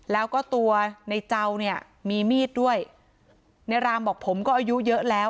แล้วก็ตัวในเจ้าเนี่ยมีมีดด้วยในรามบอกผมก็อายุเยอะแล้ว